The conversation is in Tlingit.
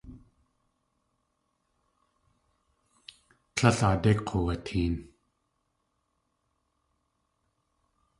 Tlél aadé k̲uwuteen.